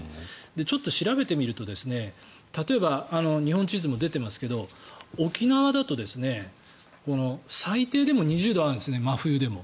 ちょっと調べてみると例えば、日本地図も出てますけど沖縄だと最低でも２０度なんです真冬でも。